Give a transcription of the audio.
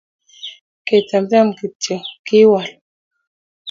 kechamcham kityo, kiwal